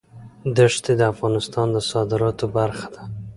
دښتې د افغانستان د صادراتو برخه ده.